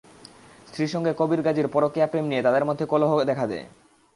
স্ত্রীর সঙ্গে কবির গাজীর পরকীয়া প্রেম নিয়ে তাঁদের মধ্যে কলহ দেখা দেয়।